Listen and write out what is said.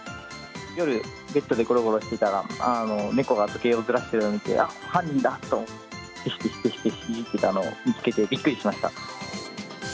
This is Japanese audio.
夜、ベッドでごろごろしてたら、猫が時計をずらしているのを見て、あっ、犯人だと思って、ぺしぺしぺしいじって、見つけて、びっくりしました。